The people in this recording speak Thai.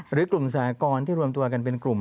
หรือกลุ่มสหกรณ์ที่รวมตัวกันเป็นกลุ่ม